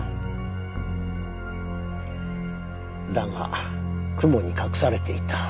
だが雲に隠されていた。